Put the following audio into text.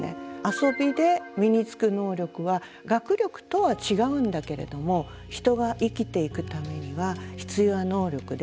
遊びで身につく能力は学力とは違うんだけれども人が生きていくためには必要な能力で。